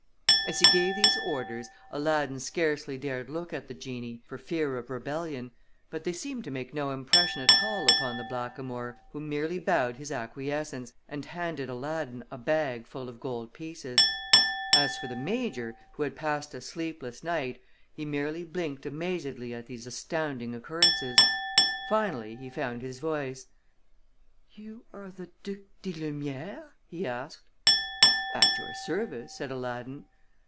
As he gave these orders Aladdin scarcely dared look at the genie, for fear of rebellion, but they seemed to make no impression at all upon the blackamoor, who merely bowed his acquiescence and handed Aladdin a bag full of gold pieces. As for the Major, who had passed a sleepless night, he merely blinked amazedly at these astounding occurrences. Finally, he found his voice. "You are the Duc di Lumière?" he asked. "At your service," said Aladdin.